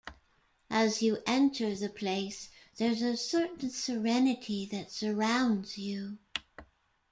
As you enter the place there's a certain serenity that surrounds you.